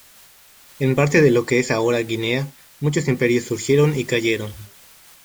En parte de lo que es ahora Guinea, muchos imperios surgieron y cayeron.